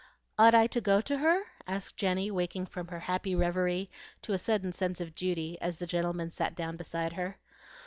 "Ought I to go to her?" asked Jenny, waking from her happy reverie to a sudden sense of duty as the gentleman sat down beside her.